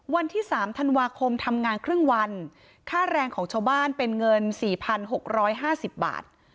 วันที่สามธันวาคมทำงานครึ่งวันค่าแรงของชาวบ้านเป็นเงินสี่พันหกร้อยห้าสิบบาท